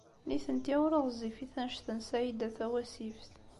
Nitenti ur ɣezzifit anect n Saɛida Tawasift.